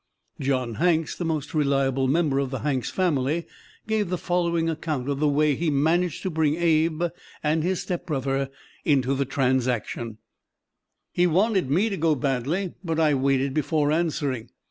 John Hanks, the most reliable member of the Hanks family, gave the following account of the way he managed to bring Abe and his stepbrother into the transaction: "He wanted me to go badly but I waited before answering.